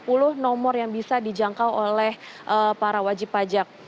nomor telepon berapa yang ingin dijangkau itu bisa anda lihat di website nya di pajak